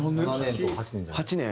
８年？